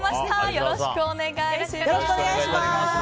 よろしくお願いします。